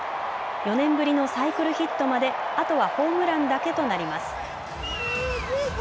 ４年ぶりのサイクルヒットまであとはホームランだけとなります。